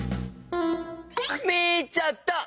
みちゃった！